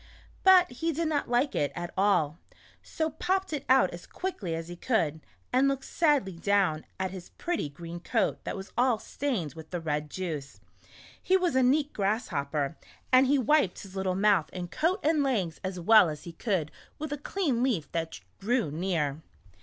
But he did not like it at all, so popped it out as quickly as he could, and looked sadly down at his pretty green coat that was all stained with the red juice. He was a neat grasshopper, and he wiped his little mouth A Grasshopper s Trip to the City. 1 2 i and coat and legs as well as he could with a clean leaf that grew near.